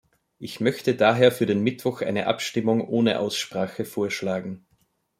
Ich möchte daher für den Mittwoch eine Abstimmung ohne Aussprache vorschlagen.